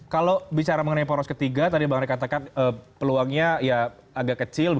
kalau bicara mengenai poros ketiga tadi bang ray katakan peluangnya ya agak kecil